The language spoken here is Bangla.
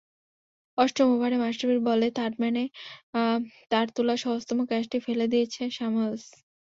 অষ্টম ওভারে মাশরাফির বলে থার্ডম্যানে তাঁর তোলা সহজতম ক্যাচটি ফেলে দিয়েছেন স্যামুয়েলস।